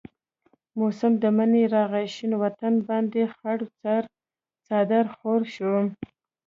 موسم د منی راغي شين وطن باندي خړ څادر خور شو